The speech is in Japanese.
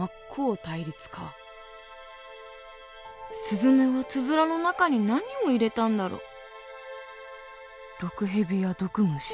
すずめはつづらの中に何を入れたんだろう？